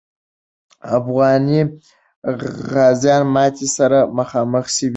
افغاني غازیان ماتي سره مخامخ سوي وو.